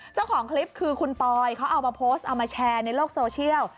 เจ้าของคลิปคือคุณปอยเขาเอามาโพสต์เอามาแชร์ในโลกโซเชียล